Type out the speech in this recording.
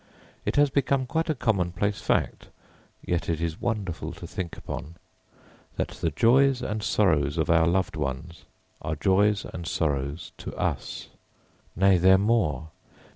It has become quite a commonplace fact, yet it is wonderful to think upon, that the joys and sorrows of our loved ones are joys and sorrows to us nay they are more.